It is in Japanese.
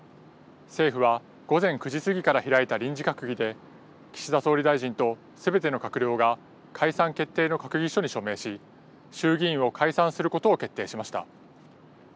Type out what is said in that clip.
政府は午前９時過ぎから開いた臨時閣議で岸田総理大臣と、すべての閣僚が解散決定の閣議書に署名し、衆議院を解散することを決定しました。